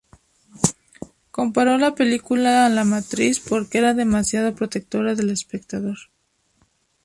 Comparó la película a la matriz porque era demasiado protectora del espectador.